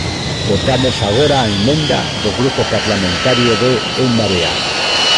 Votamos agora a emenda do Grupo Parlamentario de En Marea.